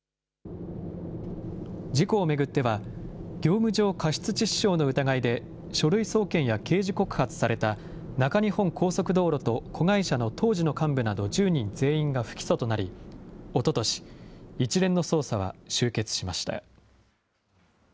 事故を巡っては、業務上過失致死傷の疑いで書類送検や刑事告発された中日本高速道路と子会社の当時の幹部など１０人全員が不起訴となり、おととし、一連の捜査は終結しました。